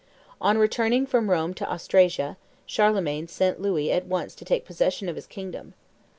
"On returning from Rome to Austrasia, Charlemagne sent Louis at once to take possession of his kingdom.